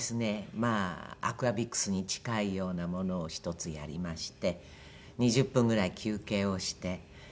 まあアクアビクスに近いようなものを１つやりまして２０分ぐらい休憩をして。